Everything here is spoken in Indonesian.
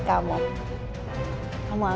aku mau ke rumah